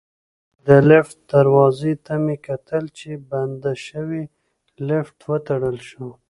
د لفټ دروازې ته مې کتل چې بنده شوې، لفټ وتړل شو.